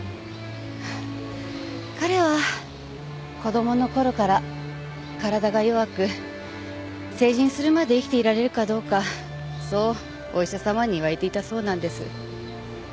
彼は子供の頃から体が弱く成人するまで生きていられるかどうかそうお医者様に言われていたそうなんです。